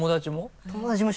友達も？